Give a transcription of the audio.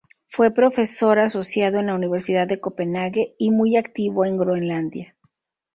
Fue profesor asociado en la Universidad de Copenhague, y muy activo en Groenlandia.